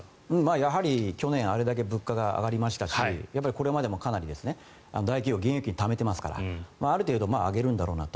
やはり、去年あれだけ物価が上がりましたしこれまでもかなり大企業現金をためていますからある程度上げるんだろうなと。